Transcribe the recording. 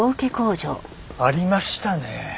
ありましたね。